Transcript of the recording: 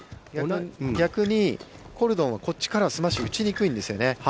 逆にコルドンはこっちからスマッシュを打ちにくいんですよね。